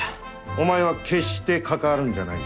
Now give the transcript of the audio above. お前は決して関わるんじゃないぞ。